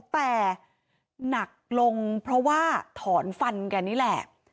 แต่หนักลงเพราะว่าถอนฟันแกนี่แหละ